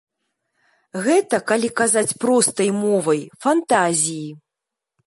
Гэта, калі казаць простай мовай, фантазіі.